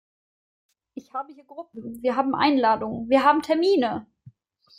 Ich habe hier Gruppen, wir haben Einladungen, wir haben Termine.